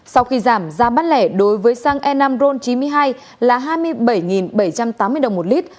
sau khi giảm giá bán lẻ đối với xăng e năm ron chín mươi hai là hai mươi bảy bảy trăm tám mươi đồng một lít